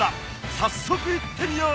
早速いってみよう！